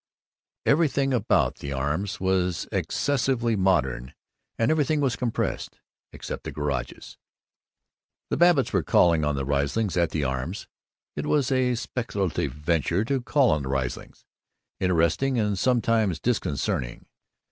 Everything about the Arms was excessively modern, and everything was compressed except the garages. The Babbitts were calling on the Rieslings at the Arms. It was a speculative venture to call on the Rieslings; interesting and sometimes disconcerting.